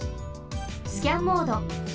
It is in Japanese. スキャンモード。